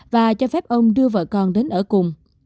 và cho phép ông đưa vợ con đến ở cùng